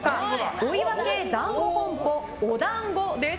追分だんご本舗おだんごです。